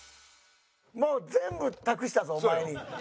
もう全部託したぞお前に。